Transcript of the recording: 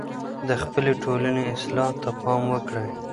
د خپلې ټولني اصلاح ته پام وکړئ.